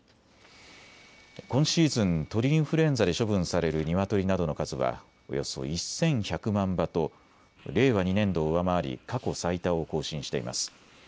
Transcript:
今シーズン、鳥インフルエンザで処分されるニワトリなどの数はおよそ１１００万羽と令和２年度を上回り過去最多を更新しています。